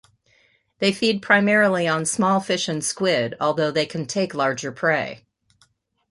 They feed primarily on small fish and squid, although they can take larger prey.